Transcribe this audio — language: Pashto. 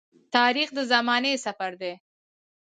تاریخ د زمانې سفر دی.